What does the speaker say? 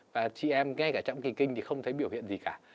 và chị em ngay cả trạm kỳ kinh thì không thấy biểu hiện gì cả